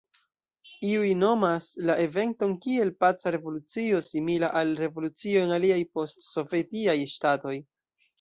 Iuj nomas la eventon kiel paca revolucio simila al revolucioj en aliaj post-sovetiaj ŝtatoj.